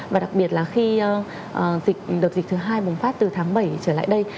và đặc biệt là khi dịch đợt dịch thứ hai bùng phát từ tháng bảy trở lại đây